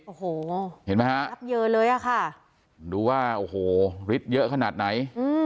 โอ้โหเยอะเลยอะค่ะดูว่าโอ้โหฤทธิ์เยอะขนาดไหน